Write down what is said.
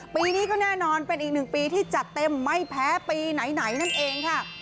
ปีนี้ก็แน่นอนเป็นอีกหนึ่งปีที่จัดเต็มไม่แพ้ปีไหนนั่นเองค่ะ